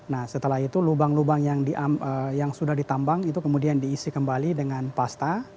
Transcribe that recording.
nah setelah itu lubang lubang yang sudah ditambang itu kemudian diisi kembali dengan pasta